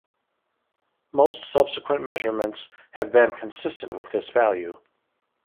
Most subsequent measurements have been consistent with this value.